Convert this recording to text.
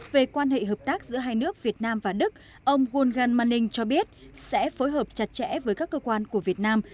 về quan hệ hợp tác giữa hai nước việt nam và đức ông worlduan maning cho biết sẽ phối hợp chặt chẽ với các cơ quan của việt nam